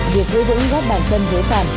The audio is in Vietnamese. việc vữ vữ góp bàn chân dưới phản